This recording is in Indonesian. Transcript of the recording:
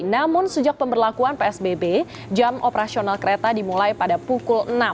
namun sejak pemberlakuan psbb jam operasional kereta dimulai pada pukul enam